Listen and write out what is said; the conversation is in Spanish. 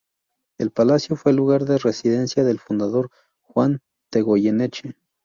El palacio fue el lugar de residencia del fundador Juan de Goyeneche.